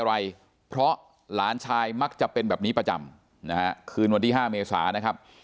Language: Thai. อะไรเพราะหลานชายมักจะเป็นแบบนี้ประจำนะฮะคืนวันที่๕เมษานะครับ